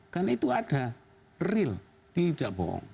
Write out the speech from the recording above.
karena itu ada real tidak bohong